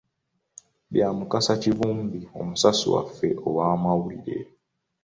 Bya Mukasa Kivumbi omusasi waffe ow'amawulire.